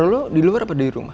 acara lo diluar apa di rumah